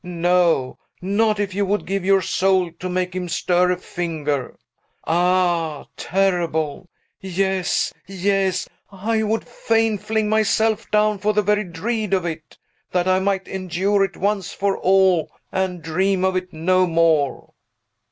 No; not if you would give your soul to make him stir a finger! Ah, terrible! Yes, yes; I would fain fling myself down for the very dread of it, that I might endure it once for all, and dream of it no more!"